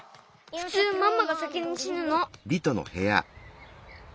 ふつうママが先にしぬの。